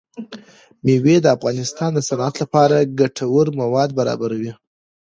مېوې د افغانستان د صنعت لپاره ګټور مواد برابروي.